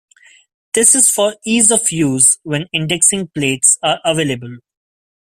This is for ease of use when indexing plates are available.